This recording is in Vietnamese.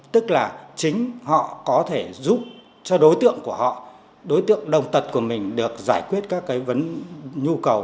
tức là chính họ có thể giúp cho đối tượng của họ đối tượng đồng tật của mình được giải quyết các cái nhu cầu